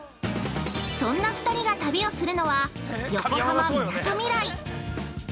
そんな２人が旅をするのは横浜・みなとみらい。